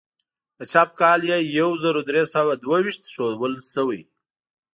د چاپ کال یې یو زر درې سوه دوه ویشت ښودل شوی.